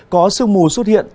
có sương mù xuất hiện